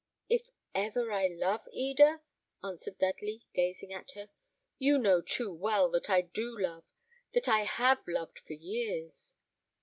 "If ever I love, Eda?" answered Dudley, gazing at her; "you know too well that I do love; that I have loved for years."